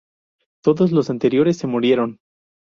Todos los anteriores murieron.